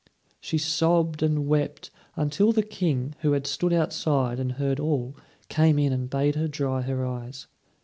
She sobbed and wept, until the King, who had stood outside and heard all, came in and bade her dry her eyes.